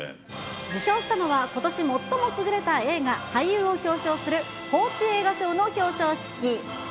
受賞したのは、ことし最も優れた映画、俳優を表彰する報知映画賞の表彰式。